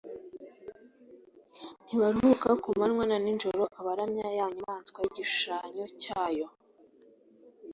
ntibaruhuka kumanywa na nijoro abaramya ya nyamaswa n‟igishushanyo cyayo,